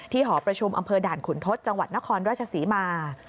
หอประชุมอำเภอด่านขุนทศจังหวัดนครราชศรีมา